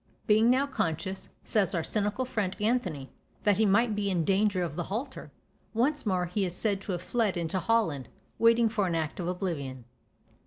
being now conscious, says our cynical friend Anthony, that he might be in danger of the halter, once more he is said to have fled into Holland, waiting for an act of oblivion.